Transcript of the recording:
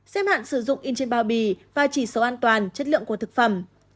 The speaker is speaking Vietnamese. xếp hạn sử dụng in trên bao bì và chỉ số an toàn chất lượng của thực phẩm